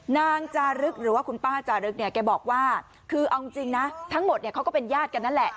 นางจารึกหรือว่าคุณป้าจารึกเนี่ยแกบอกว่าคือเอาจริงนะทั้งหมดเนี่ยเขาก็เป็นญาติกันนั่นแหละ